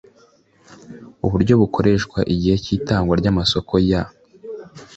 uburyo bukoreshwa igihe cy itangwa ry amasoko ya